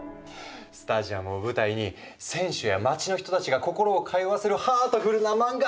スタジアムを舞台に選手や街の人たちが心を通わせるハートフルな漫画！